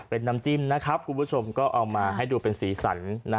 เป็นน้ำจิ้มนะครับคุณผู้ชมก็เอามาให้ดูเป็นสีสัน